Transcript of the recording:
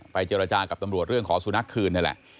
เจรจากับตำรวจเรื่องขอสุนัขคืนนี่แหละ